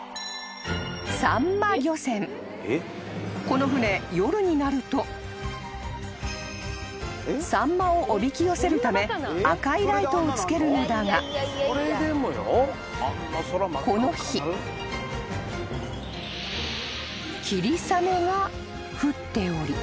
［この船夜になるとサンマをおびき寄せるため赤いライトをつけるのだがこの日霧雨が降っており］